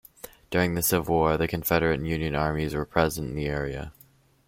During the Civil War, the Confederate and Union armies were present in the area.